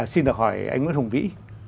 xin được hỏi anh nguyễn hùng vĩ